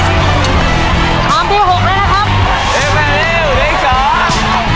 สี่เร็วแม่เร็วเลือกสาม